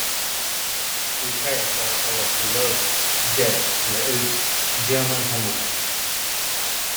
We pray for our beloved dead in the East German homeland.